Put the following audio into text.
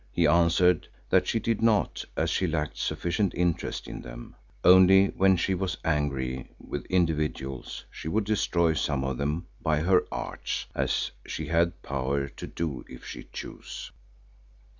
He answered that she did not, as she lacked sufficient interest in them; only when she was angry with individuals she would destroy some of them by "her arts," as she had power to do if she chose.